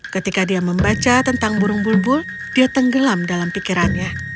ketika dia membaca tentang burung bulbul dia tenggelam dalam pikirannya